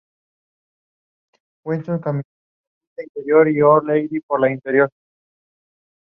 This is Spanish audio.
Muchos animales nocturnos tienen ojos relativamente grandes, bien desarrollados.